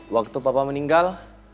waktu papa meninggal